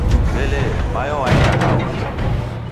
Welee, mayo waenda hao?